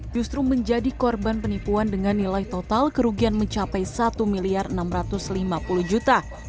justru menjadi korban penipuan dengan nilai total kerugian mencapai satu enam ratus lima puluh juta